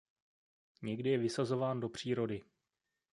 Někdy je vysazován do přírody.